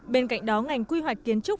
bên cạnh đó ngành quy hoạch kiến trúc